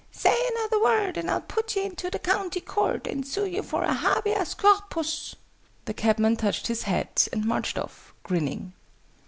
"Say another word and I'll put you into the County Court, and sue you for a Habeas Corpus!" The cabman touched his hat, and marched off, grinning.